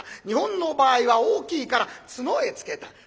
日本の場合は大きいから角へつけた。